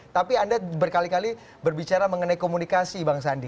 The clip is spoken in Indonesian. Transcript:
tapi anda berkali kali berbicara mengenai komunikasi bang sandi